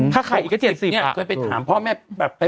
ถ้าขายอีก๗๐บาท